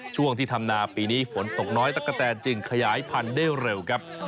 ช่วงที่ทำนาปีนี้ฝนตกน้อยตะกะแตนจึงขยายพันธุ์ได้เร็วครับ